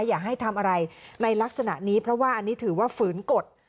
อย่าให้ทำอะไรในลักษณะนี้เพราะว่าอันนี้ถือว่าฝืนกฎ